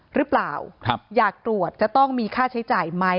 หรือเปล่าอยากตรวจจะต้องมีค่าใช้จ่ายไหม